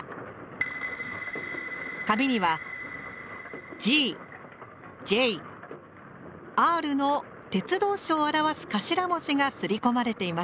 紙には「Ｇ」「Ｊ」「Ｒ」の鉄道省を表す頭文字が刷り込まれていました。